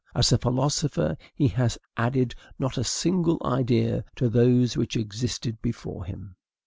As a philosopher, he has added not a single idea to those which existed before him.